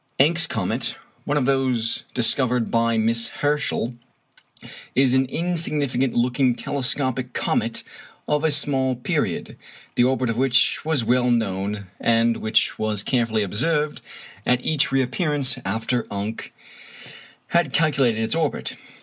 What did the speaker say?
Encke's comet (one of those discovered by Miss Herschel) is an insignificant looking telescopic comet of small period, the orbit of which was well known, and which was carefully observed at each reappearance after Encke had calculated its orbit.